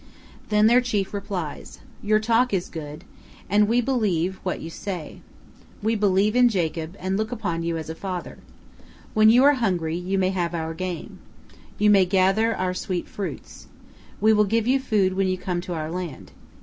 Then their chief replies: "Your talk is good, and we believe what you say. We believe in Jacob, and look upon you as a father. When you are hungry, you may have our game. You may gather our sweet fruits. We will give you food when you come to our land.